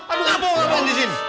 aduh apaan abang di sini